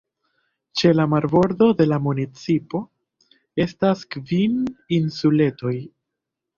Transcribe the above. Ĉe la marbordo de la municipo estas kvin insuletoj.